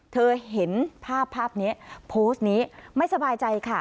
เห็นภาพภาพนี้โพสต์นี้ไม่สบายใจค่ะ